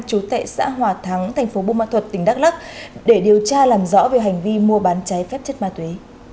chú tệ xã hòa thắng thành phố bung mã thuật tỉnh đắk lắk để điều tra làm rõ về hành vi mua bán cháy phép chất ma túy